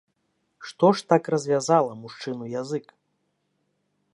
Што ж так развязала мужчыну язык?